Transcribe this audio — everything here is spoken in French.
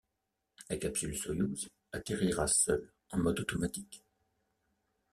La capsule Soyouz atterrira seule en mode automatique.